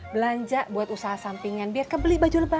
belanja buat usaha sampingan biar kebeli baju lebaran